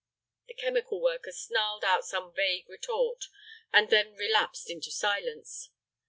The chemical worker snarled out some vague retort, and then relapsed into silence.